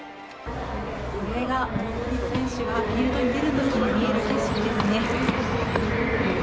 これが大谷選手がフィールドに出る時に見る景色ですね。